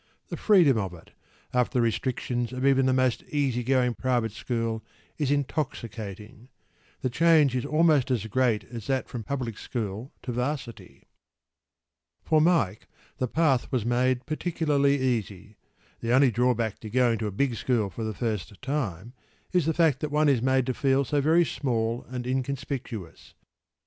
The freedom of it, after the restrictions of even the most easy going private school, is intoxicating.  The change is almost as great as that from public school to ’Varsity. For Mike the path was made particularly easy.  The only drawback to going to a big school for the first time is the fact that one is made to feel so very small and inconspicuous.